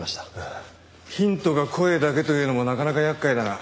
ヒントが声だけというのもなかなか厄介だな。